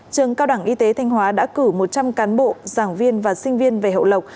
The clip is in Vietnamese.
trường cao đẳng y tế thanh hóa đã cử một trăm linh cán bộ giảng viên và sinh viên về hậu lộc